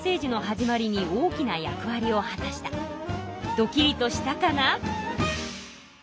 ドキリとしたかな？